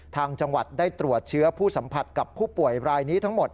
ทางจังหวัดได้ตรวจเชื้อผู้สัมผัสกับผู้ป่วยรายนี้ทั้งหมด